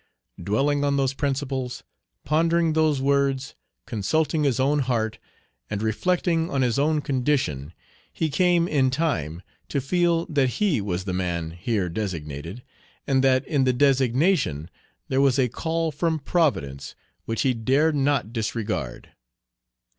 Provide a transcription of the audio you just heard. Dwelling on those principles, pondering those words, consulting his own heart, and reflecting on his own condition, he came in time to feel that he was the man here designated, and that in the designation there was a call from Providence which he dared not disregard.